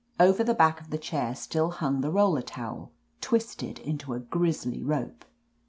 Over the back of the chair still hung the roller towel, twisted into a grisly rope.